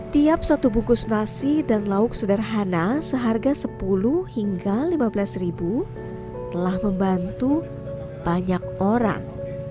tiap satu bungkus nasi dan lauk sederhana seharga sepuluh hingga lima belas ribu telah membantu banyak orang